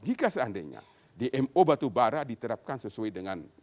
jika seandainya dmo batu barah diterapkan sesuai dengan